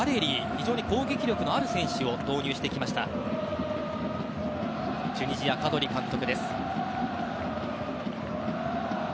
非常に攻撃力のある選手を投入してきましたチュニジアのカドリ監督。